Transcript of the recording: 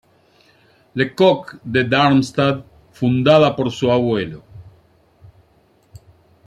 Le Coq" de Darmstadt, fundada por su abuelo.